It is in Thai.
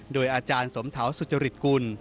โดยอาจารย์สมเถาสุจริตกุล